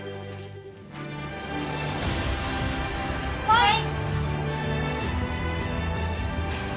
はい！